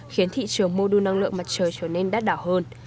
khiến thị trường mô đu năng lượng mặt trời trở nên đắt đảo hơn